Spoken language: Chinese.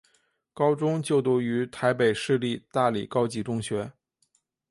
高中就读于台北市立大理高级中学。